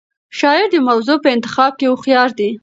شاعر د موضوع په انتخاب کې هوښیار دی.